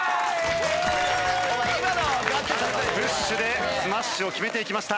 プッシュでスマッシュを決めていきました。